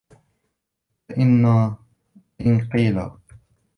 فَإِنْ قِيلَ